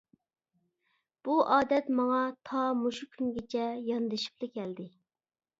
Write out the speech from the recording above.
بۇ ئادەت ماڭا تا مۇشۇ كۈنگىچە ياندىشىپلا كەلدى.